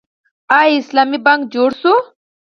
آیا اسلامي بانک جوړ شو؟